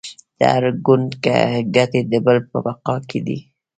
د هر ګوند ګټې د بل په بقا کې دي